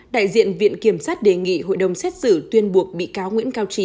đại diện viện kiểm sát đề nghị hội đồng xét xử tuyên buộc bị cáo nguyễn cao trí